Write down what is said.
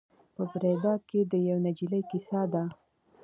په بریده کې د یوې نجلۍ کیسه ده.